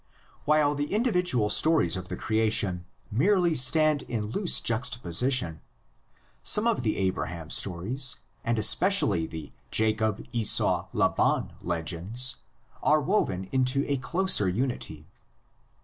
While the individual stories of the creation merely stand in loose juxtaposition, some of the Abraham stories and especially the Jacob Esau Laban legends are woven into a closer unity.